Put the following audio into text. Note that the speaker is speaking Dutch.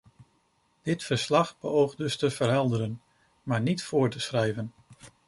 Dit verslag beoogt dus te verhelderen, maar niet voor te schrijven.